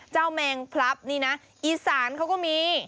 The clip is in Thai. แมงพลับนี่นะอีสานเขาก็มี